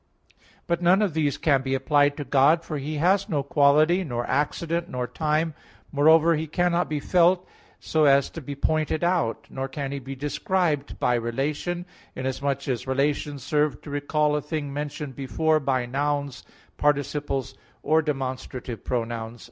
But none of these can be applied to God, for He has no quality, nor accident, nor time; moreover, He cannot be felt, so as to be pointed out; nor can He be described by relation, inasmuch as relations serve to recall a thing mentioned before by nouns, participles, or demonstrative pronouns.